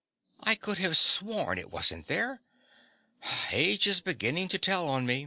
I could have sworn it wasn't there. Age is beginning to tell on me.